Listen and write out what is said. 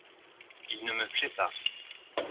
Il ne me plait pas.